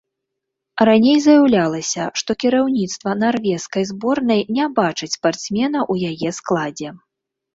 Раней заяўлялася, што кіраўніцтва нарвежскай зборнай не бачыць спартсмена ў яе складзе.